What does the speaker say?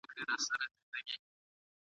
له بل لوري بله مینه سم راوړلای